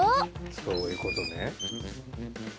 そういうことね。